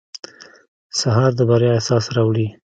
سهار د بریا احساس راوړي.